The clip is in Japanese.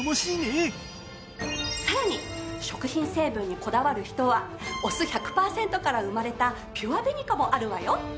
さらに食品成分にこだわる人はお酢１００パーセントから生まれたピュアベニカもあるわよ。